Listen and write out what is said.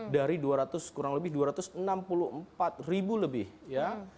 dari rp dua ratus enam puluh empat ribu lebih ya